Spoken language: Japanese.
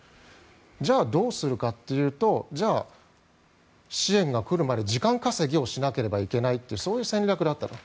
じゃあ、どうするかというとじゃあ、支援が来るまで時間稼ぎをしなければいけないという戦略だったと。